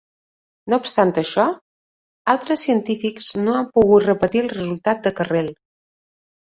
No obstant això, altres científics no han pogut repetir el resultat de Carrel.